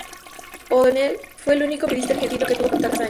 O’Donnell fue el único periodista argentino que tuvo contacto con Assange.